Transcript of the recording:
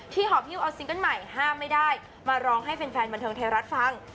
หอบฮิ้วเอาซิงเกิ้ลใหม่ห้ามไม่ได้มาร้องให้แฟนบันเทิงไทยรัฐฟัง